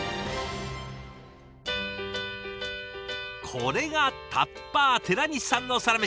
これがタッパー寺西さんのサラメシ。